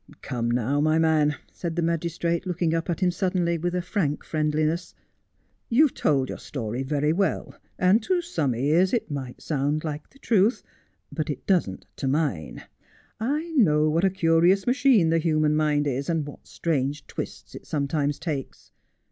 ' Come, now, my man,' said the magistrate, looking up at him suddenly, with a frank friendliness, ' you've told your story very well, and to some ears it might sound like the truth, but it doesn't to mine. I know what a curious machine the human mind is, and what strange twists it sometimes takes.